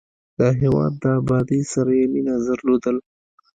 د هېواد د ابادۍ سره یې مینه درلودل.